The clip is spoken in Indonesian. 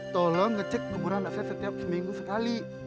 tolong ngecek kuburan anak saya setiap seminggu sekali